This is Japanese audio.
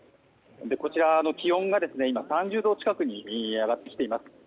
こちら気温が今３０度近くに上がってきています。